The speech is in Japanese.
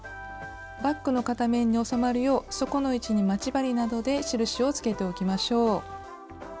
バッグの片面に収まるよう底の位置に待ち針などで印をつけておきましょう。